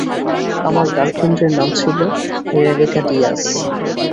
আমার গার্লফ্রেন্ডের নাম ছিল রেবেকা ডিয়াজ।